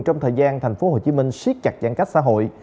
trong thời gian tp hcm siết chặt giãn cách xã hội